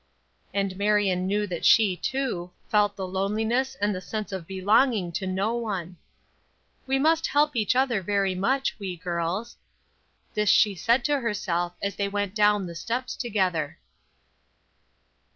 And Marion knew that she, too, felt the loneliness and the sense of belonging to no one. "We must help each other very much, we girls." This she said to herself as they went down the steps together.